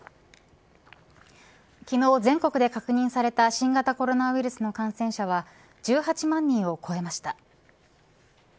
昨日全国で確認された新型コロナウイルスの感染者は１８万人を超えました。